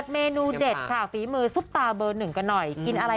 ยำทูน่ากับไส้กรอบยังไงล่ะจ๊ะ